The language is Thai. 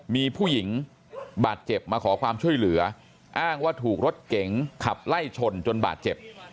มีผู้หญิงบาดเจ็บมาขอความช่วยเหลืออ้างว่าถูกรถเก๋งขับไล่ชนจนบาดเจ็บ